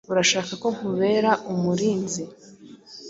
Urashaka ko nkubera umurinzi?